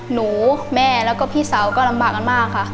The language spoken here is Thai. หนูแม่แล้วก็พี่สาวก็ลำบากกันมากค่ะ